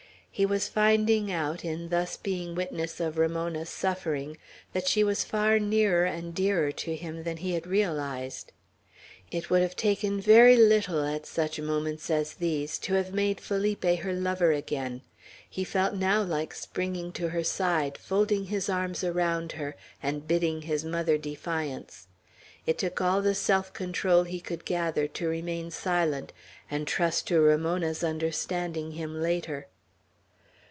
He was finding out, in thus being witness of Ramona's suffering, that she was far nearer and dearer to him than he had realized. It would have taken very little, at such moments as these, to have made Felipe her lover again; he felt now like springing to her side, folding his arms around her, and bidding his mother defiance. It took all the self control he could gather, to remain silent, and trust to Ramona's understanding him later.